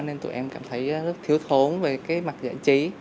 nên tụi em cảm thấy rất thiếu thốn về cái mặt giải trí